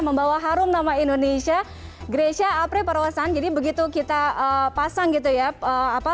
membawa harum nama indonesia gresha apri parosan jadi begitu kita pasang gitu ya